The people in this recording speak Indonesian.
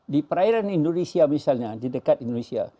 di perairan indonesia misalnya di dekat indonesia